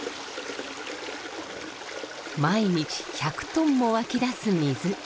毎日１００トンも湧き出す水。